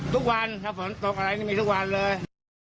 ทุกวันถ้าฝนตกอะไรนี่มีทุกวันเลย